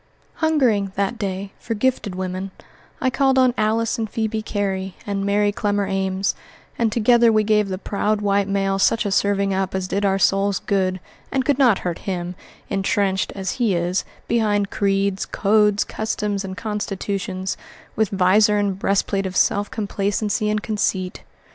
Hungering, that day, for gifted women, I called on Alice and Phebe Cary and Mary Clemmer Ames, and together we gave the proud white male such a serving up as did our souls good and could not hurt him, intrenched, as he is, behind creeds, codes, customs, and constitutions, with vizor and breastplate of self complacency and conceit.